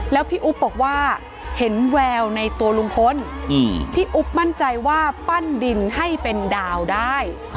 แล้วพี่อุ๊บบอกว่าเห็นแววในตัวลุงพลพี่อุ๊บมั่นใจว่าปั้นดินให้เป็นดาวได้